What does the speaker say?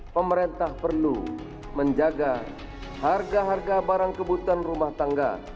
pemerintah perlu menjaga harga harga barang kebutuhan rumah tangga